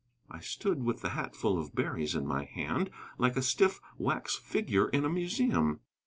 I stood, with the hatful of berries in my hand, like a stiff wax figure in a museum.